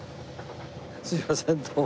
すいませんどうも。